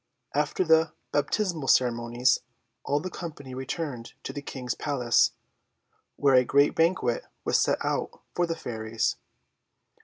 After the baptismal ceremonies all the company returned to the King's palace, where a great banquet was set out for the Fairies.